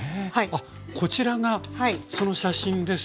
あっこちらがその写真ですよね？